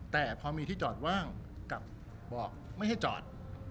แต่พอมีที่จอดว่างกลับบอกไม่ให้จอด